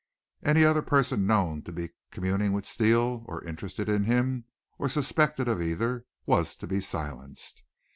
Any other person known to be communing with Steele, or interested in him, or suspected of either, was to be silenced.